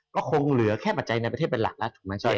ก็คงเหลือแค่ปัจจัยในประเทศเป็นหลักแล้วถูกไหม